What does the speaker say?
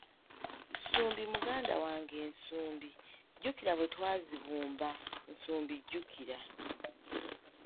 “Nsumbi muganda wange ensumbi, jjukira bwetwazibumba, nsumbi jjukira